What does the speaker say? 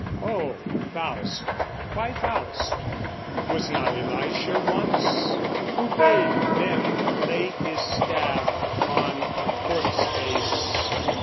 Oh, Faust, why Faust? Was not Elisha once? Who bade them lay his staff on a corpse face.